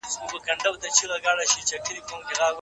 چي د پنجاب جابر حکومت په پوري وهلو